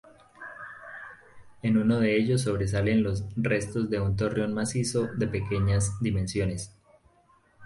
En uno de ellos sobresalen los restos de un torreón macizo de pequeñas dimensiones.